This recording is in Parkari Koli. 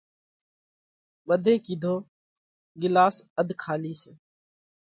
ٻڌي ڪِيڌو: ڳِلاس اڌ کالِي سئہ۔